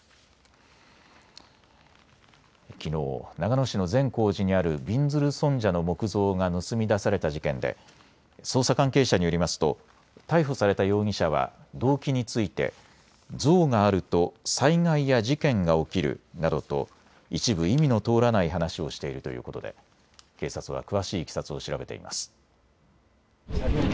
きのう長野市の善光寺にあるびんずる尊者の木像が盗み出された事件で捜査関係者によりますと逮捕された容疑者は動機について像があると災害や事件が起きるなどと一部、意味の通らない話をしているということで警察は詳しいいきさつを調べています。